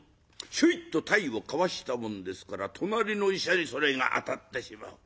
ヒョイッと体をかわしたもんですから隣の医者にそれが当たってしまう。